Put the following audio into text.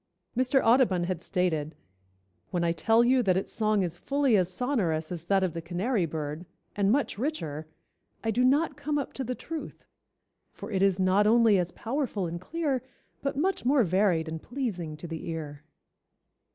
Mr. Audubon had stated: "When I tell you that its song is fully as sonorous as that of the canary bird, and much richer, I do not come up to the truth, for it is not only as powerful and clear, but much more varied and pleasing to the ear."